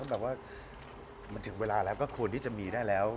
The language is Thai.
แบบว่ามันถึงเวลาแล้วก็ควรที่จะมีได้แล้ว